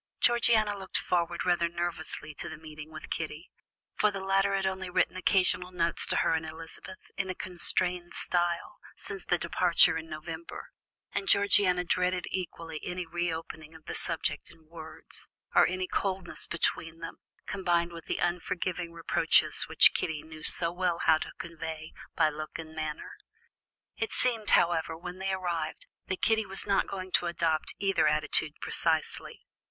Georgiana looked forward rather nervously to the meeting with Kitty, for the latter had only written occasional notes to her and Elizabeth, in a constrained style, since the departure in November, and Georgiana dreaded equally any reopening of the subject in words, or any coldness between them, combined with the unforgiving reproaches which Kitty knew so well how to convey by look and manner. It seemed, however, when they arrived, that Kitty was not going to adopt either attitude precisely.